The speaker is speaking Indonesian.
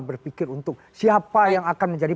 berpikir untuk siapa yang akan menjadi